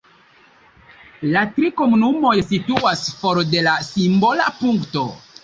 La tri komunumoj situas for de la simbola punkto.